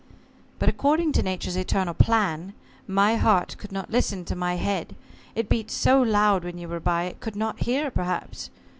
But according to Nature's eternal plan, my heart could not listen to my head it beat so loud when you were by, it could not hear, perhaps.